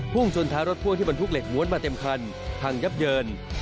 ชนท้ายรถพ่วงที่บรรทุกเหล็กม้วนมาเต็มคันพังยับเยิน